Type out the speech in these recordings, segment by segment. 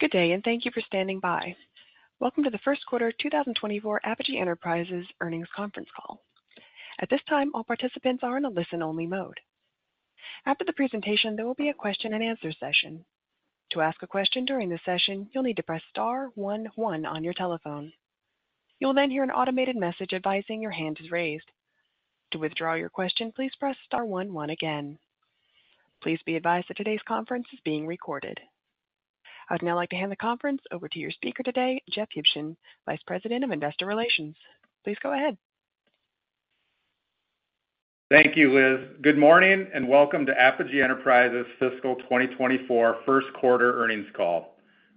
Good day, thank you for standing by. Welcome to the first quarter 2024 Apogee Enterprises Earnings Conference Call. At this time, all participants are in a listen-only mode. After the presentation, there will be a question and answer session. To ask a question during the session, you'll need to press star one one on your telephone. You'll hear an automated message advising your hand is raised. To withdraw your question, please press star one one again. Please be advised that today's conference is being recorded. I'd now like to hand the conference over to your speaker today, Jeff Huebschen, Vice President of Investor Relations. Please go ahead. Thank you, Liz. Good morning, and welcome to Apogee Enterprises fiscal 2024 first quarter earnings call.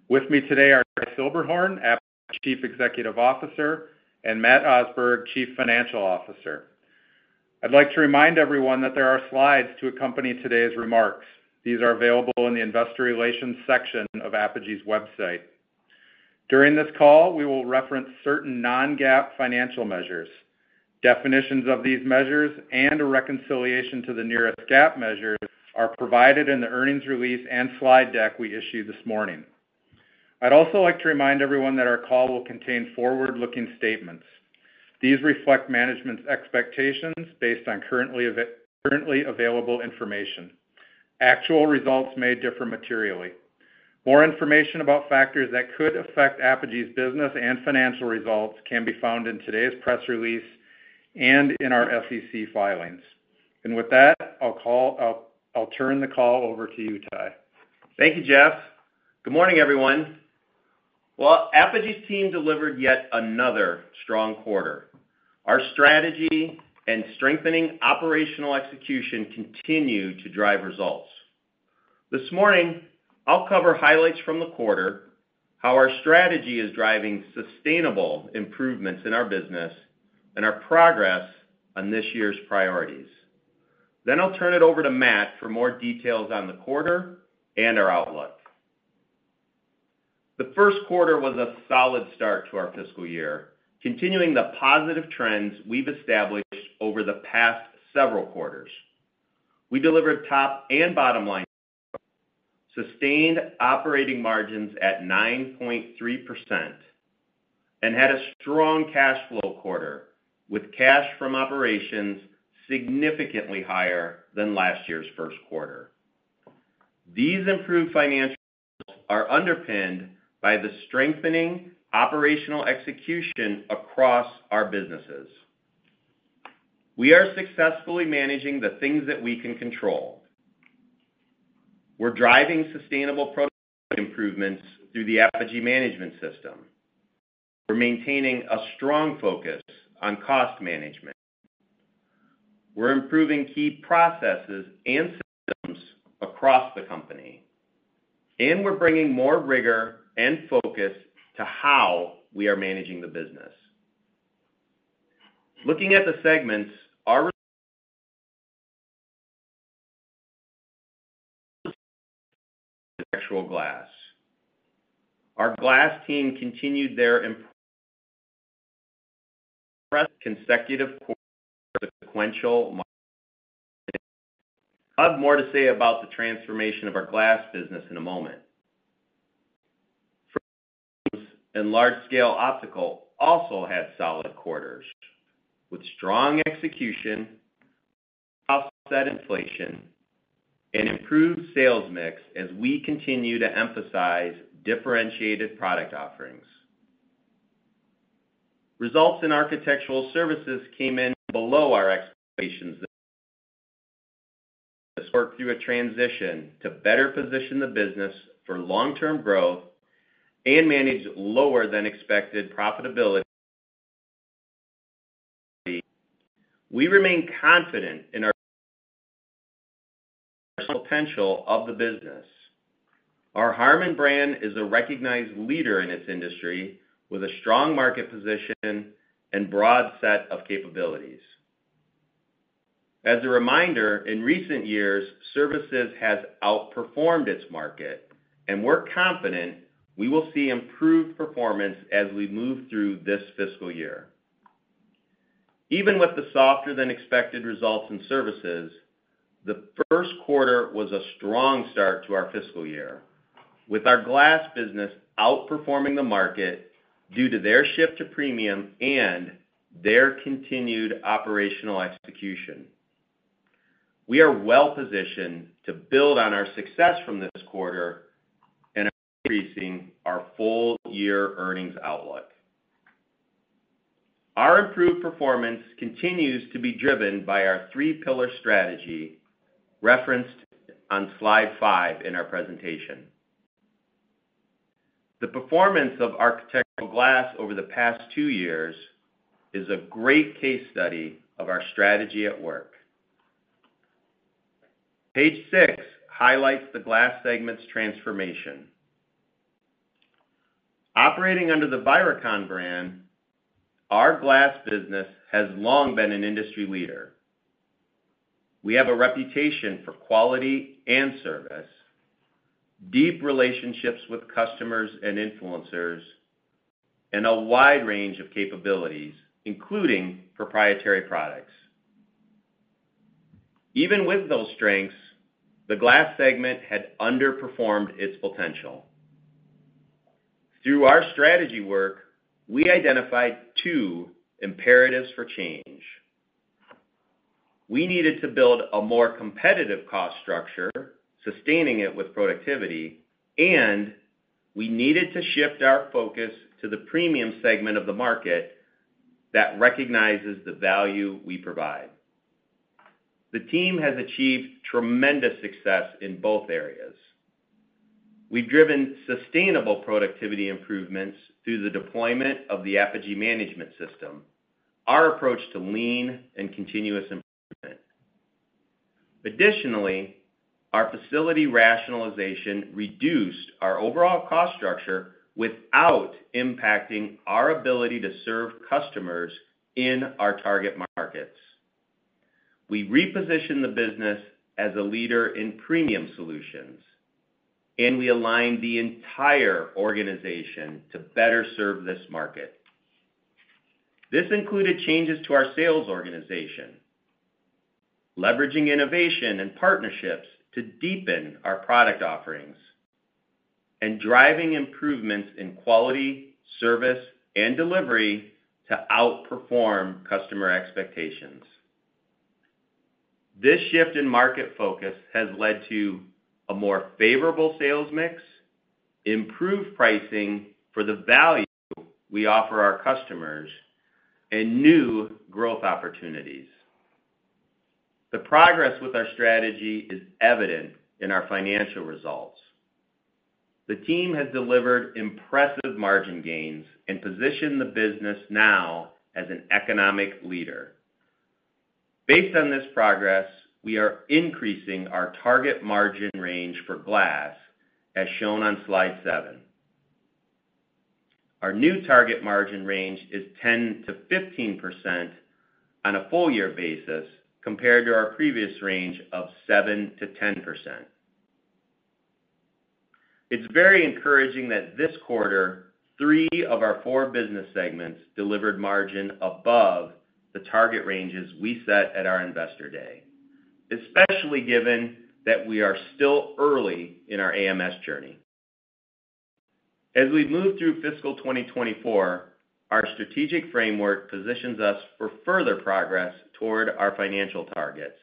With me today are Ty Silberhorn, Apogee Chief Executive Officer, and Matt Osberg, Chief Financial Officer. I'd like to remind everyone that there are slides to accompany today's remarks. These are available in the Investor Relations section of Apogee's website. During this call, we will reference certain non-GAAP financial measures. Definitions of these measures and a reconciliation to the nearest GAAP measures are provided in the earnings release and slide deck we issued this morning. I'd also like to remind everyone that our call will contain forward-looking statements. These reflect management's expectations based on currently available information. Actual results may differ materially. More information about factors that could affect Apogee's business and financial results can be found in today's press release and in our SEC filings. With that, I'll turn the call over to you, Ty. Thank you, Jeff. Good morning, everyone. Well, Apogee's team delivered yet another strong quarter. Our strategy and strengthening operational execution continue to drive results. This morning, I'll cover highlights from the quarter, how our strategy is driving sustainable improvements in our business, and our progress on this year's priorities. I'll turn it over to Matt for more details on the quarter and our outlook. The first quarter was a solid start to our fiscal year, continuing the positive trends we've established over the past several quarters. We delivered top and bottom line, sustained operating margins at 9.3% and had a strong cash flow quarter, with cash from operations significantly higher than last year's first quarter. These improved financials are underpinned by the strengthening operational execution across our businesses. We are successfully managing the things that we can control. We're driving sustainable improvements through the Apogee Management System. We're maintaining a strong focus on cost management. We're improving key processes and systems across the company, and we're bringing more rigor and focus to how we are managing the business. Looking at the segments, Architectural Glass. Our glass team continued their impressive consecutive quarter sequential. I'll have more to say about the transformation of our glass business in a moment. Large-Scale Optical also had solid quarters, with strong execution, offset inflation, and improved sales mix as we continue to emphasize differentiated product offerings. Results in architectural services came in below our expectations. Work through a transition to better position the business for long-term growth and manage lower than expected profitability. We remain confident in our potential of the business. Our Harmon brand is a recognized leader in its industry, with a strong market position and broad set of capabilities. As a reminder, in recent years, Services has outperformed its market, and we're confident we will see improved performance as we move through this fiscal year. Even with the softer than expected results in services, the first quarter was a strong start to our fiscal year, with our glass business outperforming the market due to their shift to premium and their continued operational execution. We are well positioned to build on our success from this quarter and increasing our full-year earnings outlook. Our improved performance continues to be driven by our 3 pillar strategy, referenced on slide 5 in our presentation. The performance of Architectural Glass over the past 2 years is a great case study of our strategy at work. Page 6 highlights the glass segment's transformation. Operating under the Viracon brand, our glass business has long been an industry leader. We have a reputation for quality and service, deep relationships with customers and influencers, and a wide range of capabilities, including proprietary products. Even with those strengths, the glass segment had underperformed its potential. Through our strategy work, we identified two imperatives for change. We needed to build a more competitive cost structure, sustaining it with productivity, and we needed to shift our focus to the premium segment of the market that recognizes the value we provide. The team has achieved tremendous success in both areas. We've driven sustainable productivity improvements through the deployment of the Apogee Management System, our approach to lean and continuous improvement. Additionally, our facility rationalization reduced our overall cost structure without impacting our ability to serve customers in our target markets. We repositioned the business as a leader in premium solutions, we aligned the entire organization to better serve this market. This included changes to our sales organization, leveraging innovation and partnerships to deepen our product offerings, and driving improvements in quality, service, and delivery to outperform customer expectations. This shift in market focus has led to a more favorable sales mix, improved pricing for the value we offer our customers, and new growth opportunities. The progress with our strategy is evident in our financial results. The team has delivered impressive margin gains and positioned the business now as an economic leader. Based on this progress, we are increasing our target margin range for glass, as shown on slide 7. Our new target margin range is 10%-15% on a full year basis, compared to our previous range of 7%-10%. It's very encouraging that this quarter, 3 of our 4 business segments delivered margin above the target ranges we set at our Investor Day, especially given that we are still early in our AMS journey. As we move through fiscal 2024, our strategic framework positions us for further progress toward our financial targets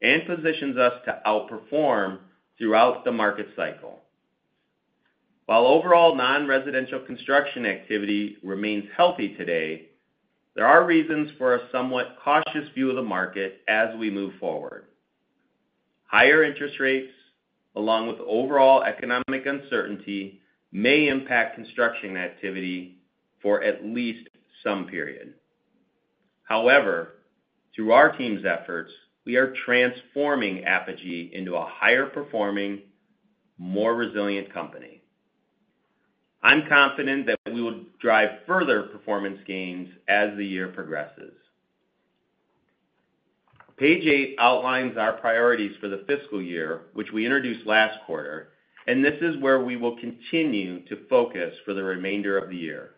and positions us to outperform throughout the market cycle. While overall non-residential construction activity remains healthy today, there are reasons for a somewhat cautious view of the market as we move forward. Higher interest rates, along with overall economic uncertainty, may impact construction activity for at least some period. However, through our team's efforts, we are transforming Apogee into a higher-performing, more resilient company. I'm confident that we will drive further performance gains as the year progresses. Page eight outlines our priorities for the fiscal year, which we introduced last quarter, and this is where we will continue to focus for the remainder of the year.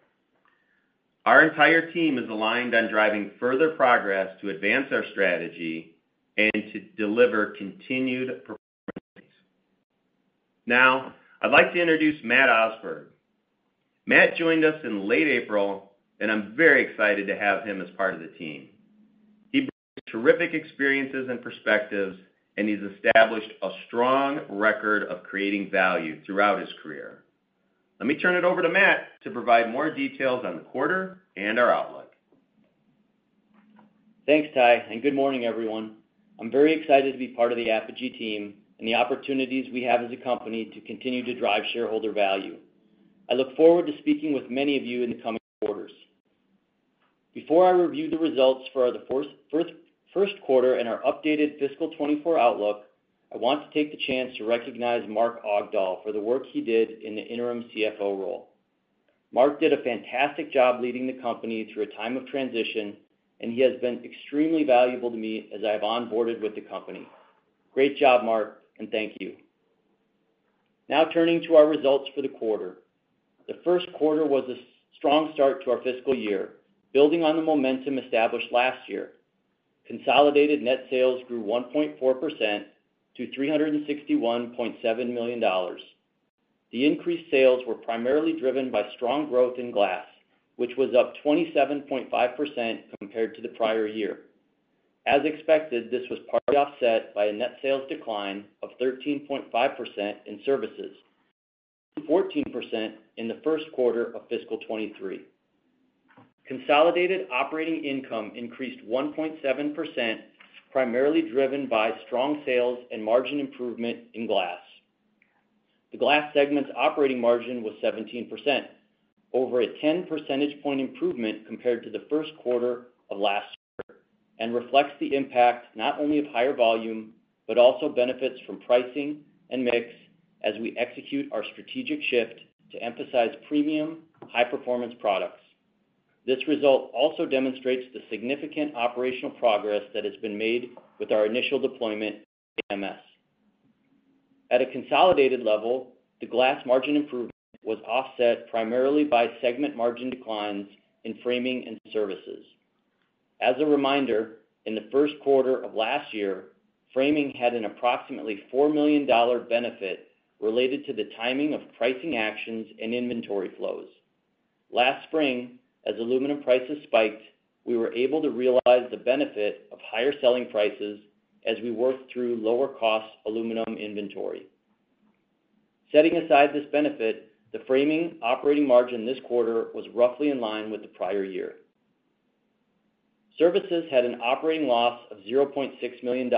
Our entire team is aligned on driving further progress to advance our strategy and to deliver continued performance. Now, I'd like to introduce Matt Osberg. Matt joined us in late April, and I'm very excited to have him as part of the team. He brings terrific experiences and perspectives, and he's established a strong record of creating value throughout his career. Let me turn it over to Matt to provide more details on the quarter and our outlook. Thanks, Ty. Good morning, everyone. I'm very excited to be part of the Apogee team and the opportunities we have as a company to continue to drive shareholder value. I look forward to speaking with many of you in the coming quarters. Before I review the results for the first quarter and our updated fiscal 2024 outlook, I want to take the chance to recognize Mark Augdahl for the work he did in the interim CFO role. Mark did a fantastic job leading the company through a time of transition. He has been extremely valuable to me as I have onboarded with the company. Great job, Mark. Thank you. Now, turning to our results for the quarter. The first quarter was a strong start to our fiscal year, building on the momentum established last year. Consolidated net sales grew 1.4% to $361.7 million. The increased sales were primarily driven by strong growth in glass, which was up 27.5% compared to the prior year. As expected, this was partly offset by a net sales decline of 13.5% in services, 14% in the first quarter of fiscal 2023. Consolidated operating income increased 1.7%, primarily driven by strong sales and margin improvement in glass. The glass segment's operating margin was 17%, over a 10 percentage point improvement compared to the first quarter of last year, and reflects the impact not only of higher volume, but also benefits from pricing and mix as we execute our strategic shift to emphasize premium, high-performance products. This result also demonstrates the significant operational progress that has been made with our initial deployment of AMS. At a consolidated level, the Glass margin improvement was offset primarily by segment margin declines in Framing and Services. As a reminder, in the first quarter of last year, Framing had an approximately $4 million benefit related to the timing of pricing actions and inventory flows. Last spring, as aluminum prices spiked, we were able to realize the benefit of higher selling prices as we worked through lower-cost aluminum inventory. Setting aside this benefit, the Framing operating margin this quarter was roughly in line with the prior year. Services had an operating loss of $0.6 million,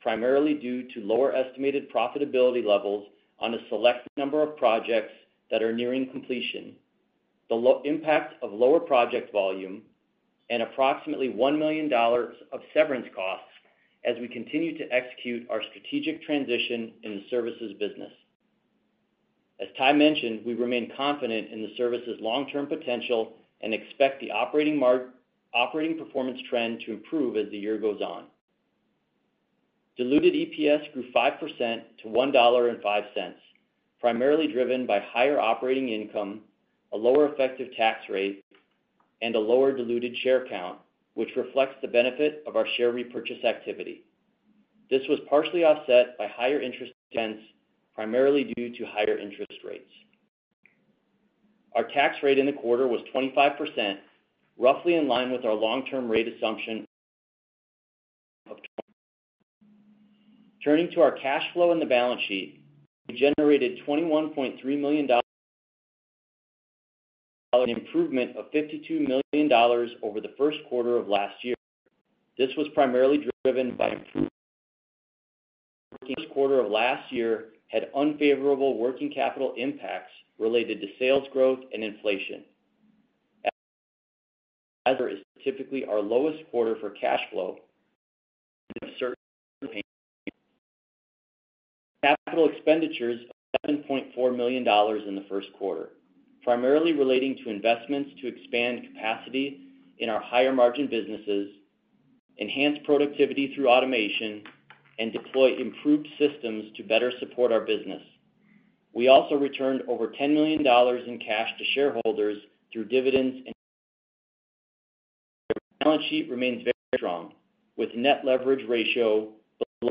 primarily due to lower estimated profitability levels on a select number of projects that are nearing completion. The impact of lower project volume and approximately $1 million of severance costs as we continue to execute our strategic transition in the services business. As Ty mentioned, we remain confident in the service's long-term potential and expect the operating performance trend to improve as the year goes on. Diluted EPS grew 5% to $1.05, primarily driven by higher operating income, a lower effective tax rate, and a lower diluted share count, which reflects the benefit of our share repurchase activity. This was partially offset by higher interest expense, primarily due to higher interest rates. Our tax rate in the quarter was 25%, roughly in line with our long-term rate assumption of 20%. Turning to our cash flow and the balance sheet. We generated $21.3 million, an improvement of $52 million over the first quarter of last year. This was primarily driven by first quarter of last year, had unfavorable working capital impacts related to sales growth and inflation. Is typically our lowest quarter for cash flow. Capital expenditures, $7.4 million in the first quarter, primarily relating to investments to expand capacity in our higher-margin businesses, enhance productivity through automation, and deploy improved systems to better support our business. We also returned over $10 million in cash to shareholders through dividends. Our balance sheet remains very strong, with net leverage ratio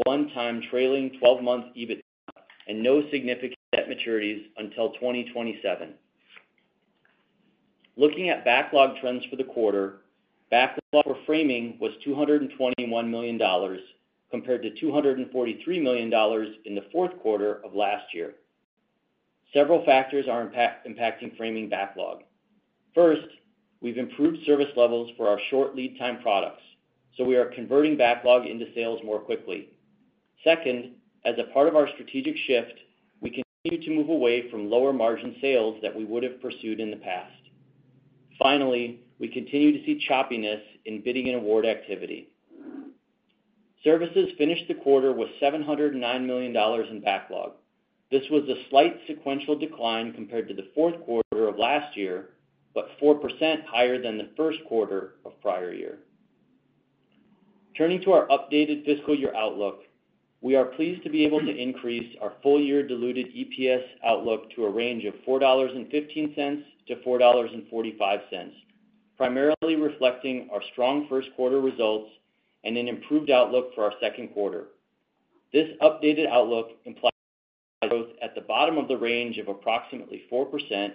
one time trailing twelve-month EBITDA, and no significant debt maturities until 2027. Looking at backlog trends for the quarter, backlog for framing was $221 million, compared to $243 million in the fourth quarter of last year. Several factors are impacting framing backlog. First, we've improved service levels for our short lead time products, so we are converting backlog into sales more quickly. Second, as a part of our strategic shift, we continue to move away from lower-margin sales that we would have pursued in the past. Finally, we continue to see choppiness in bidding and award activity. Services finished the quarter with $709 million in backlog. This was a slight sequential decline compared to the fourth quarter of last year, but 4% higher than the first quarter of prior year. Turning to our updated fiscal year outlook, we are pleased to be able to increase our full-year diluted EPS outlook to a range of $4.15-$4.45, primarily reflecting our strong first quarter results and an improved outlook for our second quarter. This updated outlook implies growth at the bottom of the range of approximately 4%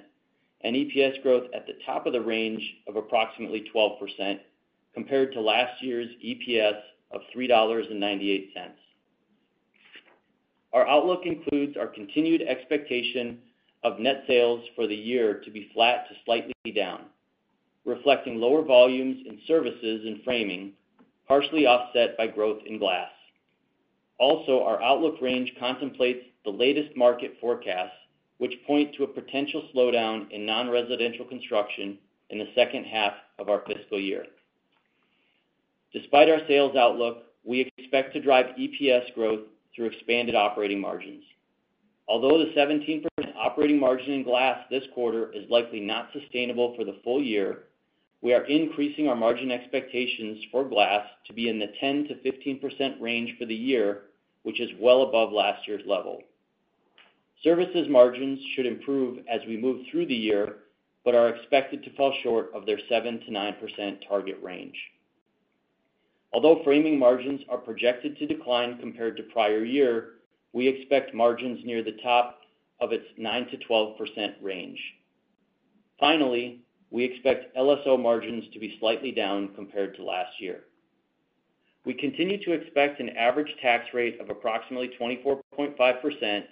and EPS growth at the top of the range of approximately 12%, compared to last year's EPS of $3.98. Our outlook includes our continued expectation of net sales for the year to be flat to slightly down, reflecting lower volumes in services and framing, partially offset by growth in glass. Our outlook range contemplates the latest market forecasts, which point to a potential slowdown in non-residential construction in the second half of our fiscal year. Despite our sales outlook, we expect to drive EPS growth through expanded operating margins. Although the 17% operating margin in glass this quarter is likely not sustainable for the full year, we are increasing our margin expectations for glass to be in the 10%-15% range for the year, which is well above last year's level. Services margins should improve as we move through the year, but are expected to fall short of their 7%-9% target range. Although framing margins are projected to decline compared to prior year, we expect margins near the top of its 9%-12% range. Finally, we expect LSO margins to be slightly down compared to last year. We continue to expect an average tax rate of approximately 24.5%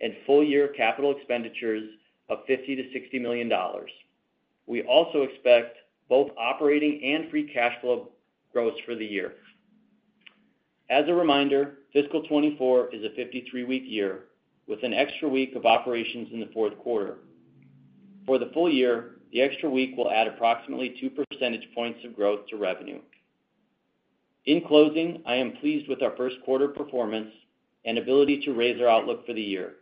and full-year capital expenditures of $50 million-$60 million. We also expect both operating and free cash flow growth for the year. As a reminder, fiscal 2024 is a 53-week year with an extra week of operations in the fourth quarter. For the full year, the extra week will add approximately 2 percentage points of growth to revenue. In closing, I am pleased with our first quarter performance and ability to raise our outlook for the year.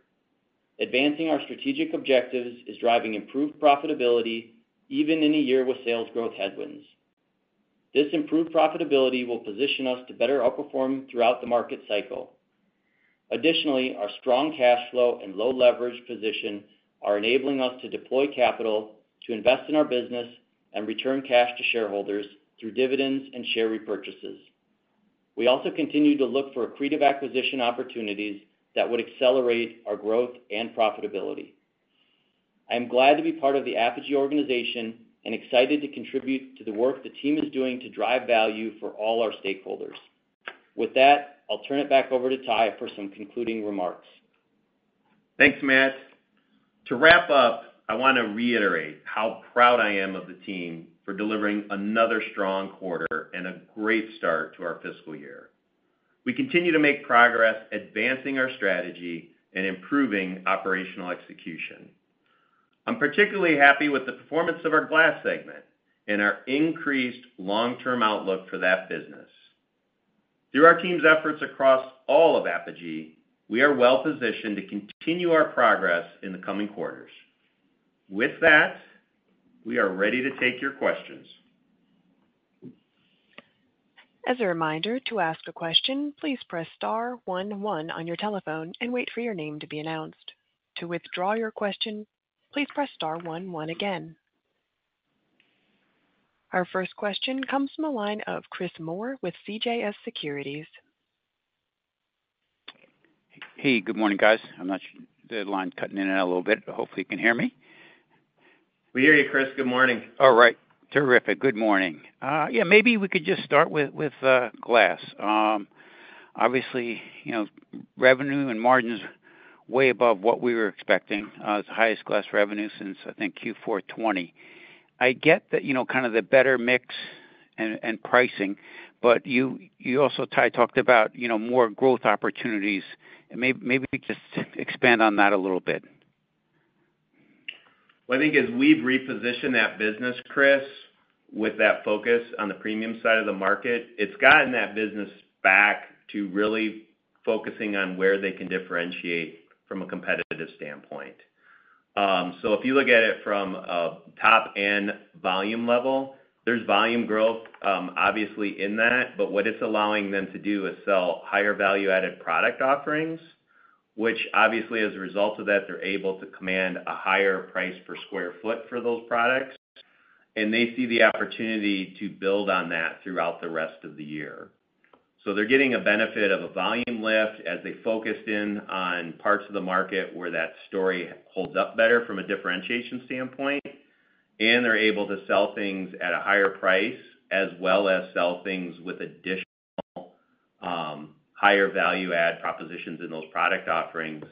Advancing our strategic objectives is driving improved profitability, even in a year with sales growth headwinds. This improved profitability will position us to better outperform throughout the market cycle. Additionally, our strong cash flow and low leverage position are enabling us to deploy capital to invest in our business and return cash to shareholders through dividends and share repurchases. We also continue to look for accretive acquisition opportunities that would accelerate our growth and profitability. I am glad to be part of the Apogee organization and excited to contribute to the work the team is doing to drive value for all our stakeholders. With that, I'll turn it back over to Ty for some concluding remarks. Thanks, Matt. To wrap up, I want to reiterate how proud I am of the team for delivering another strong quarter and a great start to our fiscal year. We continue to make progress, advancing our strategy and improving operational execution. I'm particularly happy with the performance of our glass segment and our increased long-term outlook for that business. Through our team's efforts across all of Apogee, we are well-positioned to continue our progress in the coming quarters. With that, we are ready to take your questions. As a reminder, to ask a question, please press star one on your telephone and wait for your name to be announced. To withdraw your question, please press star one again. Our first question comes from the line of Chris Moore with CJS Securities. Hey, good morning, guys. I'm not sure, the line cutting in and out a little bit, but hopefully you can hear me. We hear you, Chris. Good morning. All right. Terrific. Good morning. Yeah, maybe we could just start with glass. Obviously, you know, revenue and margins way above what we were expecting, the highest glass revenue since, I think, Q4 2020. I get that, you know, kind of the better mix and pricing, but you also, Ty, talked about, you know, more growth opportunities. Maybe just expand on that a little bit. Well, I think as we've repositioned that business, Chris, with that focus on the premium side of the market, it's gotten that business back to really focusing on where they can differentiate from a competitive standpoint. If you look at it from a top-end volume level, there's volume growth, obviously, in that, but what it's allowing them to do is sell higher value-added product offerings, which obviously, as a result of that, they're able to command a higher price per square foot for those products, and they see the opportunity to build on that throughout the rest of the year. They're getting a benefit of a volume lift as they focused in on parts of the market where that story holds up better from a differentiation standpoint, and they're able to sell things at a higher price, as well as sell things with additional, higher value add propositions in those product offerings,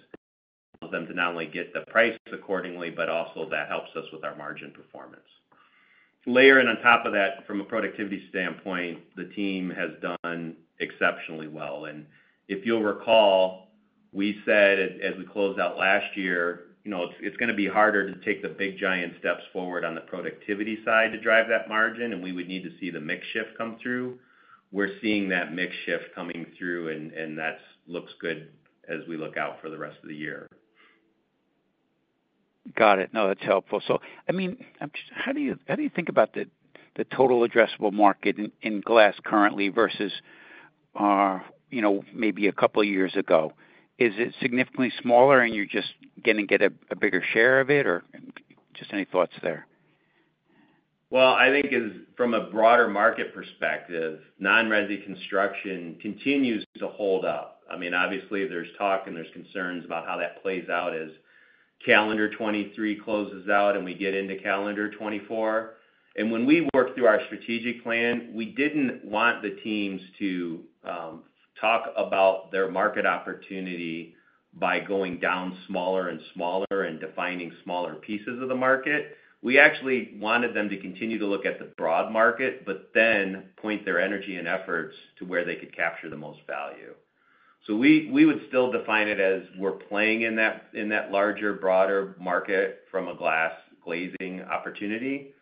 them to not only get the price accordingly, but also that helps us with our margin performance. Layering on top of that, from a productivity standpoint, the team has done exceptionally well. If you'll recall, we said as we closed out last year, you know, it's gonna be harder to take the big, giant steps forward on the productivity side to drive that margin, and we would need to see the mix shift come through. We're seeing that mix shift coming through, and that's looks good as we look out for the rest of the year. Got it. No, that's helpful. I mean, how do you think about the total addressable market in glass currently versus, you know, maybe a couple of years ago? Is it significantly smaller and you're just gonna get a bigger share of it, or just any thoughts there? Well, I think from a broader market perspective, non-resi construction continues to hold up. I mean, obviously there's talk and there's concerns about how that plays out as calendar 2023 closes out and we get into calendar 2024. When we worked through our strategic plan, we didn't want the teams to talk about their market opportunity by going down smaller and smaller and defining smaller pieces of the market. We actually wanted them to continue to look at the broad market, but then point their energy and efforts to where they could capture the most value. We would still define it as we're playing in that, in that larger, broader market from a glass glazing opportunity.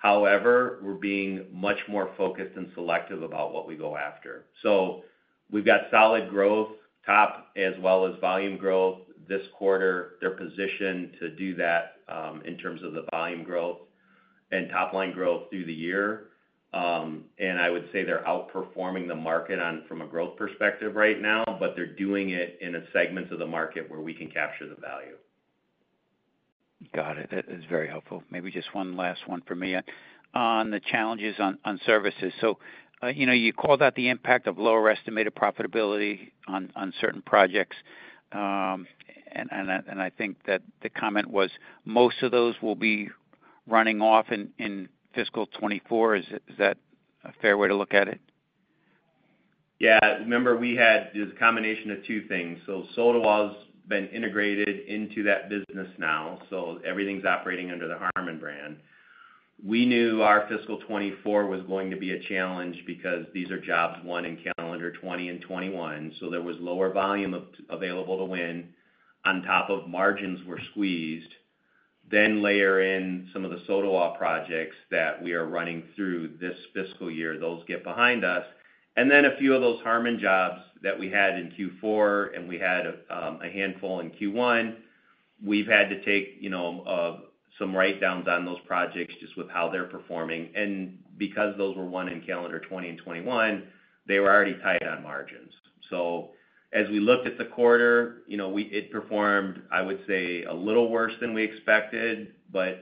However, we're being much more focused and selective about what we go after. We've got solid growth, top, as well as volume growth this quarter. They're positioned to do that, in terms of the volume growth and top line growth through the year. I would say they're outperforming the market on from a growth perspective right now, but they're doing it in a segment of the market where we can capture the value. Got it. That is very helpful. Maybe just one last one for me. On the challenges on services. You know, you called out the impact of lower estimated profitability on certain projects, and I think that the comment was most of those will be running off in fiscal 2024. Is that a fair way to look at it? Yeah. Remember, we had this combination of two things. Sotawall's been integrated into that business now, so everything's operating under the Harmon brand. We knew our fiscal 2024 was going to be a challenge because these are jobs won in calendar 2020 and 2021, so there was lower volume available to win on top of margins were squeezed. Layer in some of the Sotawall projects that we are running through this fiscal year, those get behind us. A few of those Harmon jobs that we had in Q4 and we had a handful in Q1 we've had to take, you know, some write-downs on those projects just with how they're performing. Because those were won in calendar 2020 and 2021, they were already tight on margins. As we looked at the quarter, you know, it performed, I would say, a little worse than we expected.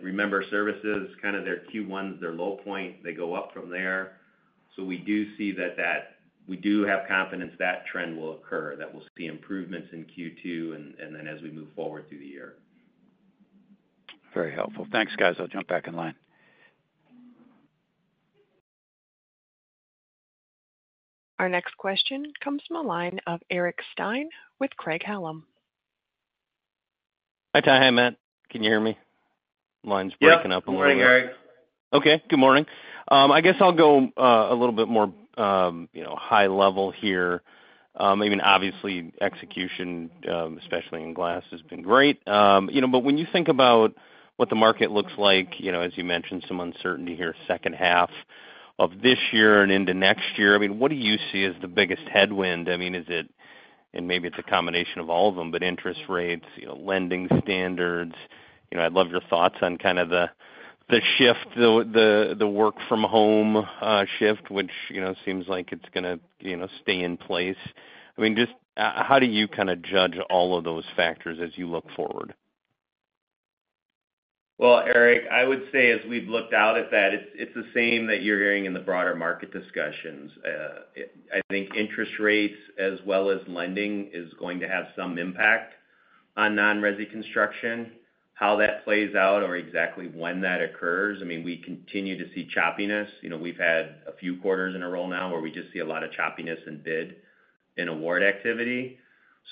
Remember, services, kind of their Q1 is their low point, they go up from there. We do see that we do have confidence that trend will occur, that we'll see improvements in Q2 and then as we move forward through the year. Very helpful. Thanks, guys. I'll jump back in line. Our next question comes from the line of Eric Stine with Craig-Hallum. Hi, Ty. Hi, Matt. Can you hear me? Line's breaking up a little bit. Yep. Good morning, Eric. Okay. Good morning. I guess I'll go a little bit more, you know, high level here. I mean, obviously, execution, especially in glass, has been great. You know, but when you think about what the market looks like, you know, as you mentioned, some uncertainty here, second half of this year and into next year, I mean, what do you see as the biggest headwind? I mean, is it, and maybe it's a combination of all of them, but interest rates, you know, lending standards? You know, I'd love your thoughts on kind of the shift, the, the work from home shift, which, you know, seems like it's gonna, you know, stay in place. I mean, just, how do you kind of judge all of those factors as you look forward? Well, Eric, I would say, as we've looked out at that, it's the same that you're hearing in the broader market discussions. I think interest rates as well as lending is going to have some impact on non-resi construction. How that plays out or exactly when that occurs, I mean, we continue to see choppiness. You know, we've had a few quarters in a row now where we just see a lot of choppiness in bid, in award activity.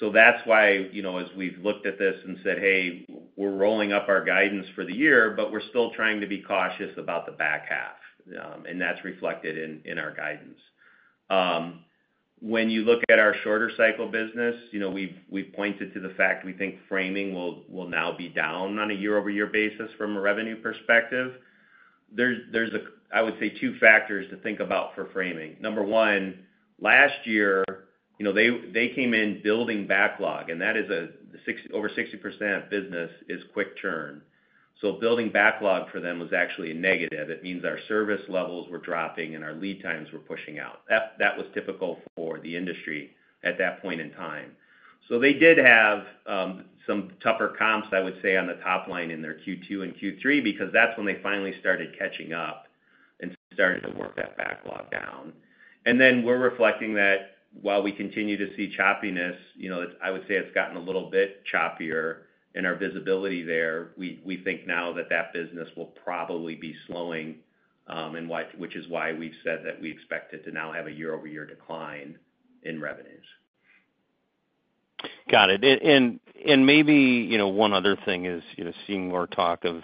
That's why, you know, as we've looked at this and said, "Hey, we're rolling up our guidance for the year, but we're still trying to be cautious about the back half." And that's reflected in our guidance. When you look at our shorter cycle business, you know, we've pointed to the fact we think framing will now be down on a year-over-year basis from a revenue perspective. There's a, I would say, two factors to think about for framing. Number one, last year, you know, they came in building backlog, and that is a 60% of business is quick turn. Building backlog for them was actually a negative. It means our service levels were dropping and our lead times were pushing out. That was typical for the industry at that point in time. They did have some tougher comps, I would say, on the top line in their Q2 and Q3, because that's when they finally started catching up and started to work that backlog down. We're reflecting that while we continue to see choppiness, you know, I would say it's gotten a little bit choppier in our visibility there. We think now that business will probably be slowing, which is why we've said that we expect it to now have a year-over-year decline in revenues. Got it. Maybe, you know, one other thing is, you know, seeing more talk of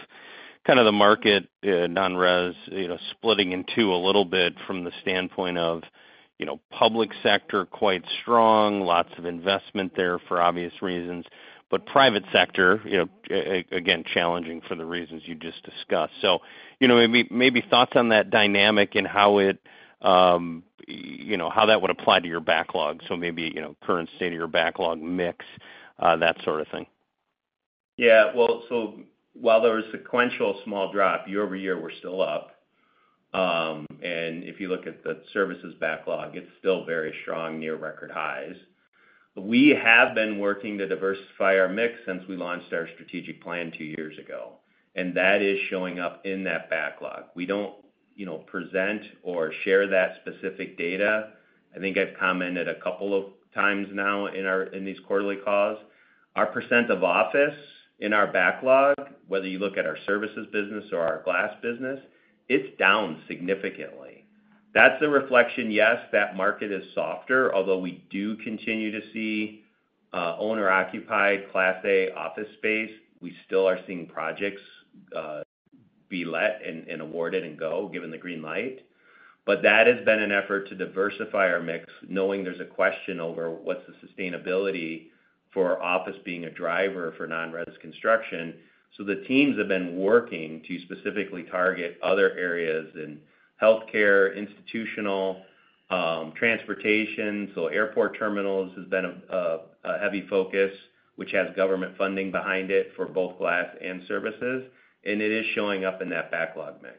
kind of the market, non-res, you know, splitting in two a little bit from the standpoint of, you know, public sector, quite strong, lots of investment there for obvious reasons. Private sector, you know, again, challenging for the reasons you just discussed. You know, maybe thoughts on that dynamic and how it, you know, how that would apply to your backlog. Maybe, you know, current state of your backlog mix, that sort of thing. Yeah. Well, while there was sequential small drop, year-over-year, we're still up. If you look at the services backlog, it's still very strong, near record highs. We have been working to diversify our mix since we launched our strategic plan 2 years ago, That is showing up in that backlog. We don't, you know, present or share that specific data. I think I've commented a couple of times now in these quarterly calls. Our percent of office in our backlog, whether you look at our services business or our glass business, it's down significantly. That's a reflection, yes, that market is softer, although we do continue to see owner-occupied Class A office space. We still are seeing projects be let and awarded and go, given the green light. That has been an effort to diversify our mix, knowing there's a question over what's the sustainability for office being a driver for non-res construction. The teams have been working to specifically target other areas in healthcare, institutional, transportation. Airport terminals has been a heavy focus, which has government funding behind it for both glass and services, and it is showing up in that backlog mix.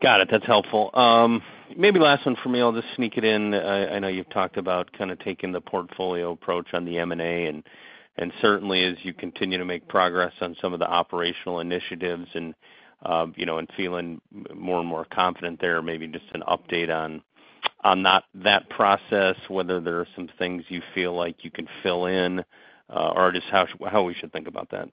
Got it. That's helpful. Maybe last one for me, I'll just sneak it in. I know you've talked about kind of taking the portfolio approach on the M&A, and certainly, as you continue to make progress on some of the operational initiatives and, you know, and feeling more and more confident there, maybe just an update on that process, whether there are some things you feel like you can fill in, or just how we should think about that.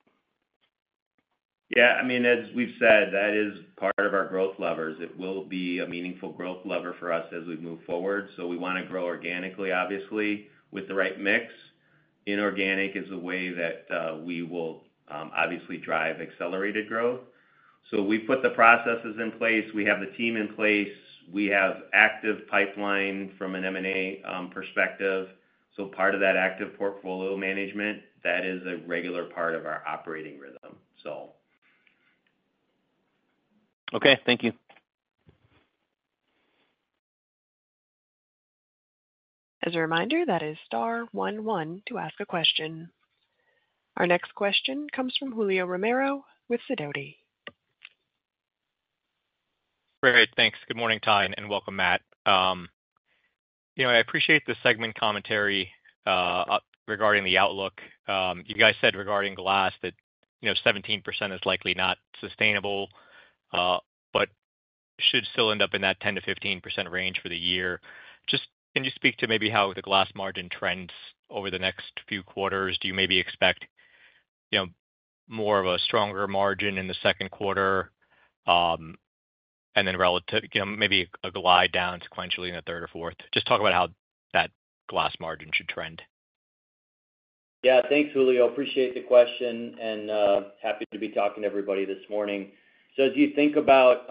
Yeah, I mean, as we've said, that is part of our growth levers. It will be a meaningful growth lever for us as we move forward. We want to grow organically, obviously, with the right mix. Inorganic is a way that we will obviously drive accelerated growth. We've put the processes in place. We have the team in place. We have active pipeline from an M&A perspective. Part of that active portfolio management, that is a regular part of our operating rhythm, so. Okay, thank you. As a reminder, that is star one one to ask a question. Our next question comes from Julio Romero with Sidoti. Great, thanks. Good morning, Ty, and welcome, Matt. You know, I appreciate the segment commentary regarding the outlook. You guys said regarding glass, that, you know, 17% is likely not sustainable, but should still end up in that 10%-15% range for the year. Can you speak to maybe how the glass margin trends over the next few quarters? Do you maybe expect, you know, more of a stronger margin in the second quarter, and then relative, you know, maybe a glide down sequentially in the third or fourth? Talk about how that glass margin should trend. Yeah. Thanks, Julio. Appreciate the question, and happy to be talking to everybody this morning. As you think about,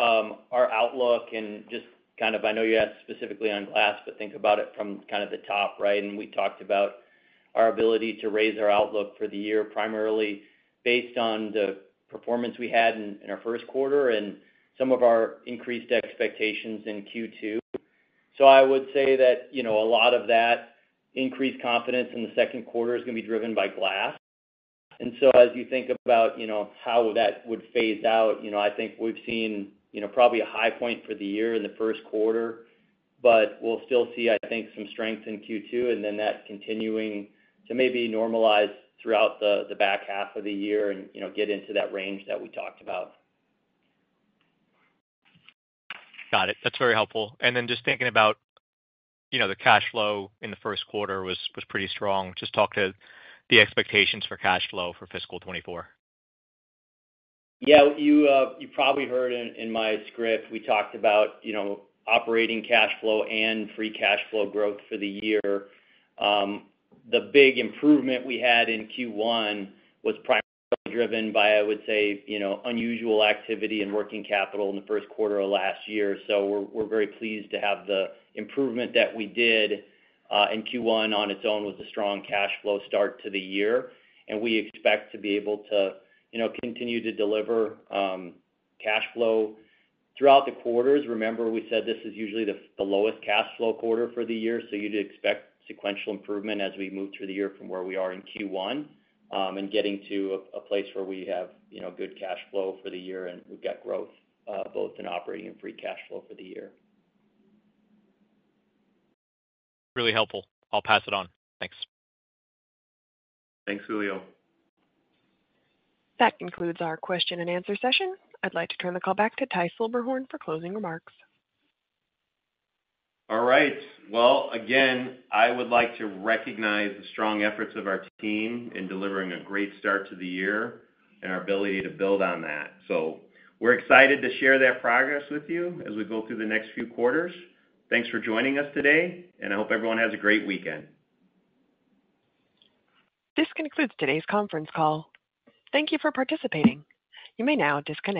our outlook and just kind of, I know you asked specifically on glass, but think about it from kind of the top, right? We talked about our ability to raise our outlook for the year, primarily based on the performance we had in our first quarter and some of our increased expectations in Q2. I would say that, you know, a lot of that increased confidence in the second quarter is going to be driven by glass. As you think about, you know, how that would phase out, you know, I think we've seen, you know, probably a high point for the year in the first quarter, but we'll still see, I think, some strength in Q2, and then that continuing to maybe normalize throughout the back half of the year and, you know, get into that range that we talked about. Got it. That's very helpful. Then just thinking about, you know, the cash flow in the first quarter was pretty strong. Just talk to the expectations for cash flow for fiscal 2024. Yeah, you probably heard in my script, we talked about, you know, operating cash flow and free cash flow growth for the year. The big improvement we had in Q1 was primarily driven by, I would say, you know, unusual activity in working capital in the first quarter of last year. We're very pleased to have the improvement that we did in Q1 on its own, with a strong cash flow start to the year. We expect to be able to, you know, continue to deliver cash flow throughout the quarters. We said this is usually the lowest cash flow quarter for the year, so you'd expect sequential improvement as we move through the year from where we are in Q1, and getting to a place where we have, you know, good cash flow for the year, and we've got growth, both in operating and free cash flow for the year. Really helpful. I'll pass it on. Thanks. Thanks, Julio. That concludes our question and answer session. I'd like to turn the call back to Ty Silberhorn for closing remarks. All right. Well, again, I would like to recognize the strong efforts of our team in delivering a great start to the year and our ability to build on that. We're excited to share that progress with you as we go through the next few quarters. Thanks for joining us today, and I hope everyone has a great weekend. This concludes today's conference call. Thank you for participating. You may now disconnect.